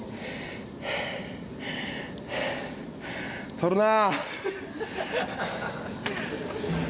撮るな。